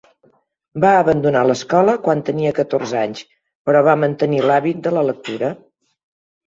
Va abandonar l'escola quan tenia catorze anys, però va mantenir l'hàbit de la lectura.